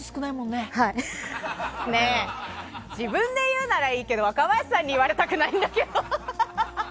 ねえ、自分で言うならいいけど若林さんに言われたくないんだけど。